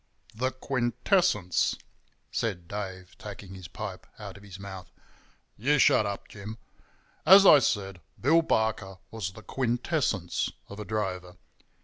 "The quintessence," said Dave, taking his pipe out of his mouth. "You shut up, Jim. As I said, Bill Barker was the quintessence of a drover.